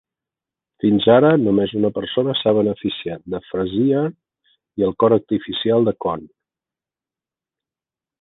Fins ara, només una persona s'ha beneficiat de Frazier i el cor artificial de Cohn.